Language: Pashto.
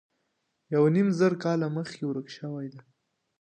یو نیم زر کاله مخکې ورکه شوې ده.